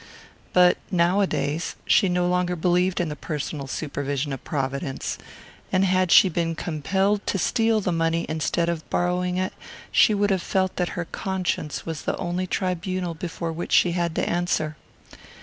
But nowadays she no longer believed in the personal supervision of Providence; and had she been compelled to steal the money instead of borrowing it, she would have felt that her conscience was the only tribunal before which she had to answer.